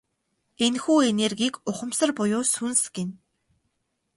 Энэхүү энергийг ухамсар буюу сүнс гэнэ.